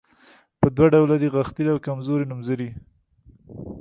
په دوه ډوله دي غښتلي او کمزوري نومځري.